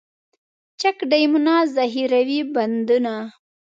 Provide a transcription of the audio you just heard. چک ډیمونه، ذخیروي بندونه.